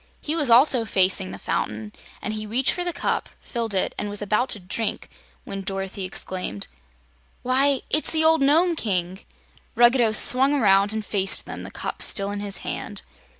He also was facing the fountain, and he reached for the cup, filled it, and was about to drink when Dorothy exclaimed: "Why, it's the old Nome King!" Ruggedo swung around and faced them, the cup still in his hand.